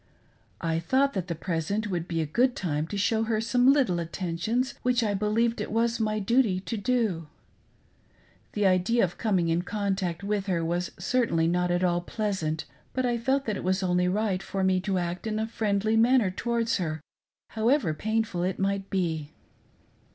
I thought that the present would be a good time to show her some little attentions, which I believed it was my duty to do. The idea of coming in contact with her was cei' tainly not at all pleasant, but I felt that it was only right for me to act in a friendjjr manner towards her, however painful it might be.